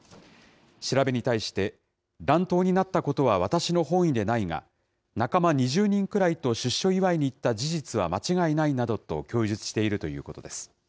調べに対して、乱闘になったことは私の本意でないが、仲間２０人くらいと出所祝いに行った事実は間違いないなどと供述しているということです。